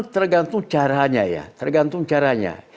tergantung caranya ya tergantung caranya